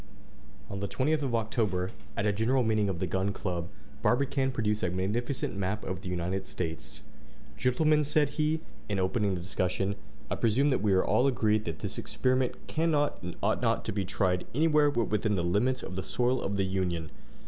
On the 20th of October, at a general meeting of the Gun Club, Barbicane produced a magnificent map of the United States. "Gentlemen," said he, in opening the discussion, "I presume that we are all agreed that this experiment cannot and ought not to be tried anywhere but within the limits of the soil of the Union.